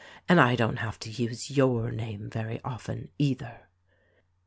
And I don't have to use your name very often, either.